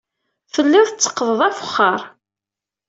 Telliḍ tetteqqdeḍ afexxar.